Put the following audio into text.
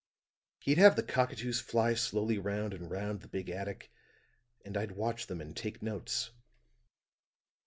He'd have the cockatoos fly slowly round and round the big attic, and I'd watch them and make notes.